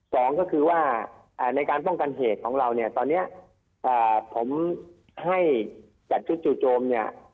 สองก็คือว่าในการป้องกันเหตุของเราเนี่ยตอนนี้ผมให้จัดชุดจู่โจมเนี่ย